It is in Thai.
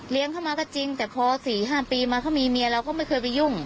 เลี้ยงเขามาก็จริงแต่พอสี่ห้าปีมาเขามีเมียเราก็ไม่เคยไปยุ่ง